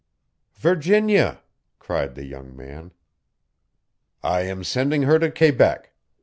"Virginia!" cried the young man. "I am sending her to Quebec.